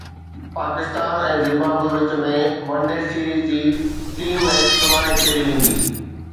Pakistan ۽ Zimbabwe وچ ۾ one day series جي ٽئين ميچ سڀاڻي کيڏي ويندي